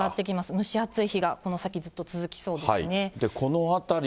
蒸し暑い日がこの先ずっと続きそうですね。